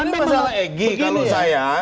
ini masalah egy kalau saya